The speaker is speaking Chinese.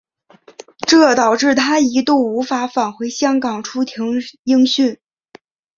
这导致他一度无法返回香港出庭应讯。